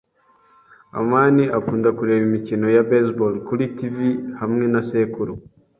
amani akunda kureba imikino ya baseball kuri TV hamwe na sekuru.